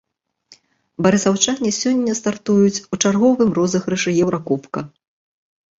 Барысаўчане сёння стартуюць у чарговым розыгрышы еўракубка.